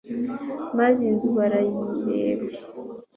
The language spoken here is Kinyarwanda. maze inzu barayireba